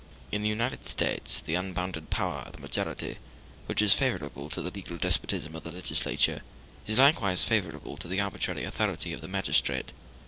In the United States the unbounded power of the majority, which is favorable to the legal despotism of the legislature, is likewise favorable to the arbitrary authority of the magistrate.